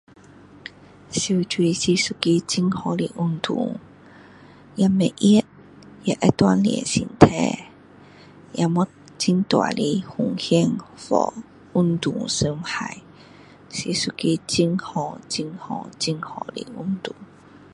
游泳是一个很好的运动也不会热也会锻炼身体也没很大的风险 for 运动的伤害是一个很好很好很好的运动